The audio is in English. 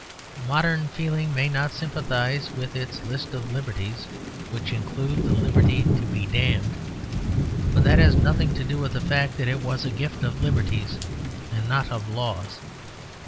Modern feeling may not sympathise with its list of liberties, which included the liberty to be damned; but that has nothing to do with the fact that it was a gift of liberties and not of laws.